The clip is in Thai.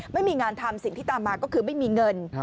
ไม่มีงานทำสิ่งที่ตามมาก็คือไม่มีเงิน